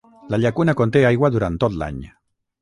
La llacuna conté aigua durant tot l'any.